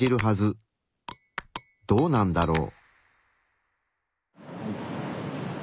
どうなんだろう？